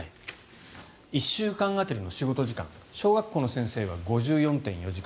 １週間当たりの仕事時間小学校の先生は５４．４時間